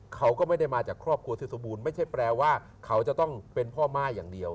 เขาก็ไม่ได้มาจากครอบครัวที่สมบูรณ์ไม่ใช่แปลว่าเขาจะต้องเป็นพ่อม่ายอย่างเดียว